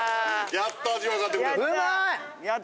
やっと味分かってくれた。